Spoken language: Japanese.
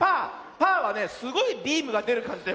パーはねすごいビームがでるかんじだよ。